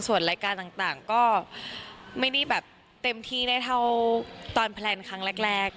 ส่วนรายการต่างก็ไม่ได้แบบเต็มที่ได้เท่าตอนแพลนครั้งแรก